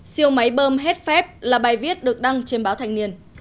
siêu máy bơm hết phép là bài viết được đăng trên báo thành niên